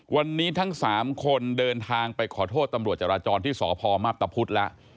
วันนี้ทั้ง๓คนเดินทางไปขอโทษตำรวจจราจรที่สพมับตะพุธแล้ว